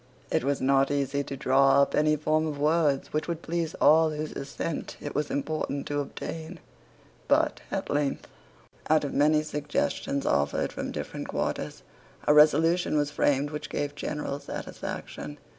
It was not easy to draw up any form of words which would please all whose assent it was important to obtain; but at length, out of many suggestions offered from different quarters, a resolution was framed which gave general satisfaction.